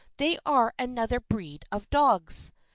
They are another breed of dogs.